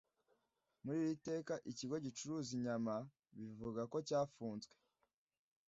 muri iri teka ikigo gicuruza inyama bivuga ko cyafunzwe